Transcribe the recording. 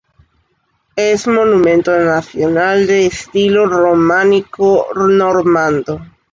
Es monumento nacional, de estilo románico normando.